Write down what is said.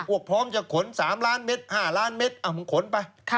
อวกพร้อมจะขน๓ล้านเมตร๕ล้านเมตรขนไป